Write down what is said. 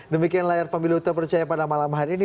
demikian layar pemilu terpercaya pada malam hari ini